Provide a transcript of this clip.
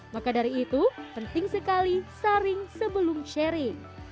maka dari itu penting sekali saring sebelum sharing